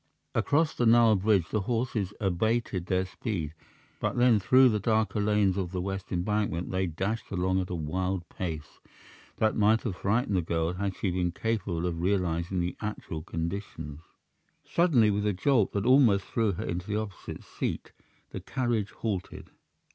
Across the Nile bridge the horses abated their speed; but then through the darker lanes of the west embankment they dashed along at a wild pace, that might have frightened the girl, had she been capable of realizing the actual conditions. Suddenly, with a jolt that almost threw her into the opposite seat, the carriage halted.